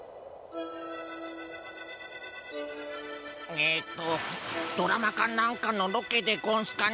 えっとドラマかなんかのロケでゴンスかね